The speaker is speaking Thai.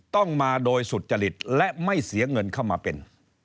ต้องมาโดยสุจริตและไม่เสียเงินเข้ามาเป็น